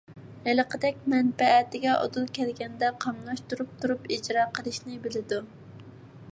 ھېلىقىدەك مەنپەئەتىگە ئۇدۇل كەلگەندە قاملاشتۇرۇپ تۇرۇپ ئىجرا قىلىشنى بىلىدۇ.